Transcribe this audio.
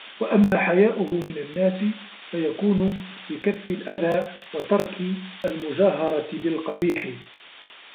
وَأَمَّا حَيَاؤُهُ مِنْ النَّاسِ فَيَكُونُ بِكَفِّ الْأَذَى وَتَرْكِ الْمُجَاهَرَةِ بِالْقَبِيحِ